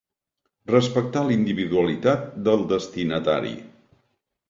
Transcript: Respectar la individualitat del destinatari.